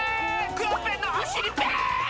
クヨッペンのおしりペンペン！